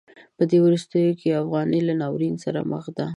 په دې وروستیو کې افغانۍ له ناورین سره مخ ده.